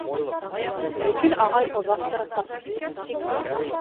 Вәкил ағай оҙаҡ ярасаҡ бит.